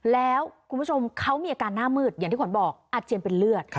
แล้วคุณผู้ชมเขามีอาการหน้ามืดอย่างที่ขวัญบอกอาเจียนเป็นเลือด